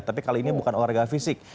tapi kali ini bukan olahraga fisik